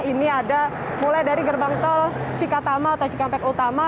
ini ada mulai dari gerbang tol cikatama atau cikampek utama